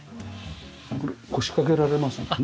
これ腰掛けられますもんね。